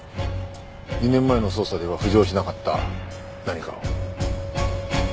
２年前の捜査では浮上しなかった何かを。